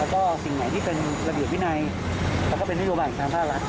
แล้วก็สิ่งไหนที่เป็นระเบียบวินัยแล้วก็เป็นนโยบายของทางภาครัฐ